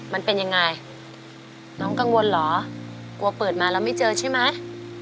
มันเป็นยังไงน้องกังวลเหรอกลัวเปิดมาแล้วไม่เจอใช่ไหม